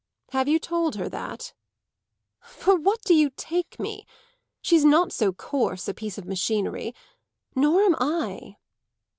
Have you told her that?" "For what do you take me? She's not so coarse a piece of machinery nor am I."